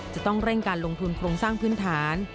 จะต้องเร่งการลงทุนโครงสร้างพื้นฐาน